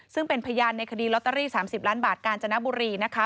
ซึ่งเป็นพยานในคดีลอตเตอรี่๓๐ล้านบาทกาญจนบุรีนะคะ